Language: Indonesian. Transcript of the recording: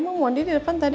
mau mandi di depan tadi